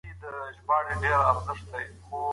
که انلاین سیستم فعال وي، د کتاب کمښت ستونزه نه جوړوي.